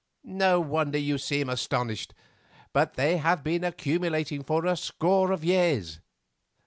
No wonder you seem astonished, but they have been accumulating for a score of years.